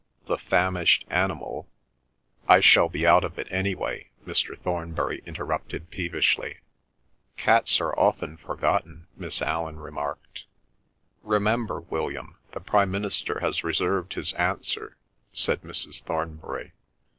The famished animal—" "I shall be out of it anyway," Mr. Thornbury interrupted peevishly. "Cats are often forgotten," Miss Allan remarked. "Remember, William, the Prime Minister has reserved his answer," said Mrs. Thornbury.